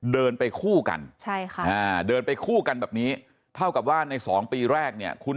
เดินไปคู่กันเดินไปคู่กันแบบนี้เท่ากับว่าใน๒ปีแรกเนี่ยคุณ